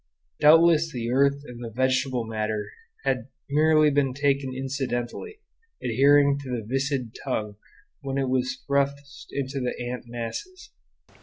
Doubtless the earth and the vegetable matter had merely been taken incidentally, adhering to the viscid tongue when it was thrust into the ant masses.